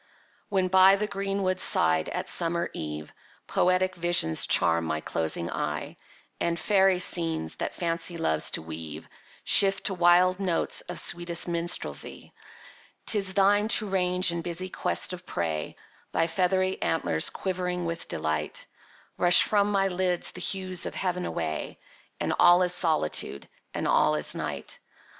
When by the green wood side, at summer eve, Poetic visions charm my closing eye; And fairy scenes, that Fancy loves to weave, Shift to wild notes of sweetest Minstrelsy; 'Tis thine to range in busy quest of prey, Thy feathery antlers quivering with delight, Brush from my lids the hues of heav'n away, And all is Solitude, and all is Night!